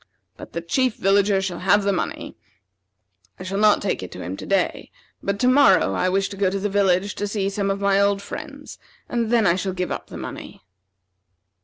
But the Chief Villager shall have the money. I shall not take it to him to day, but to morrow I wish to go to the village to see some of my old friends; and then I shall give up the money."